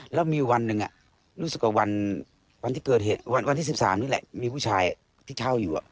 แล้วมีวันหนึ่งรู้สึกว่าวันที่เกิดเหตุวันที่๑๓นี่แหละมีผู้ชายที่เช่าอยู่